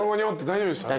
大丈夫です。